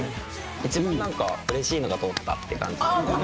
一番なんかうれしいのが通ったって感じで。